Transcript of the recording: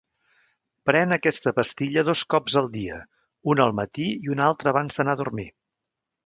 Pren aquesta pastilla dos cops al dia, una al matí i una altra abans d'anar a dormir.